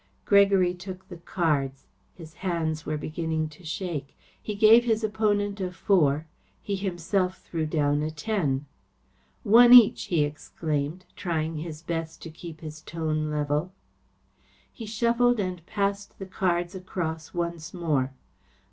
Gregory took the cards. His hands were beginning to shake. He gave his opponent a four. He himself threw down a ten. "One each," he exclaimed, trying his best to keep his tone level. He shuffled and passed the cards across once more.